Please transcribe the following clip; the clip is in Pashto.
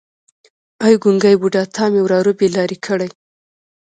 ای ګونګی بوډا تا مې وراره بې لارې کړی.